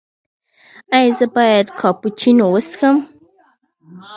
ایا زه باید کاپوچینو وڅښم؟